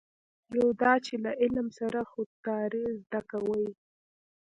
یو دا چې له علم سره خودداري زده کوي.